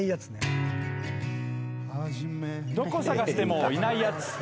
どこ探してもいないやつ。